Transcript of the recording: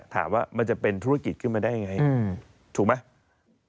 ถามว่ามันจะเป็นธุรกิจขึ้นมาได้ยังไงถูกไหม